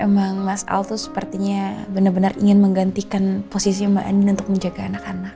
emang mas al tuh sepertinya benar benar ingin menggantikan posisi mbak eni untuk menjaga anak anak